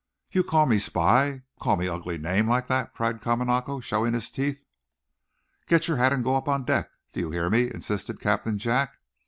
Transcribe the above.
"You call me spy call me ugly name like that?" cried Kamanako, showing his teeth. "Get your hat and go up on deck. Do you hear me?" insisted Captain Jack.